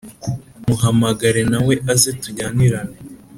muhamagare nawe aze tujyanirane”